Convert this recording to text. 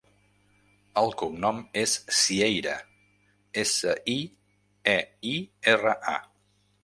El cognom és Sieira: essa, i, e, i, erra, a.